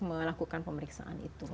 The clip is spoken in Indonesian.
melakukan pemeriksaan itu